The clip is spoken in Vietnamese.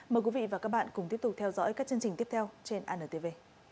mời quý vị và các bạn cùng tiếp tục theo dõi các chương trình tiếp theo trên antv